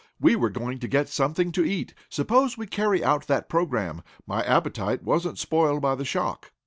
"We were going to get something to eat. Suppose we carry out that program. My appetite wasn't spoiled by the shock."